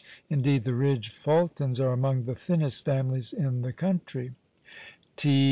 Indeed, the Ridge Fultons are among the thinnest families in the country. T.